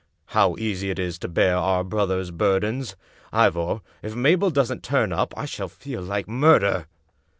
How easy it is to bear our brother's burdens I Ivor, if Mabel doesn't turn up I shall feel like murder."